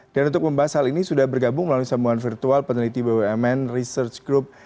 dan untuk membahas hal ini sudah bergabung melalui sambungan virtual peneliti bumn research group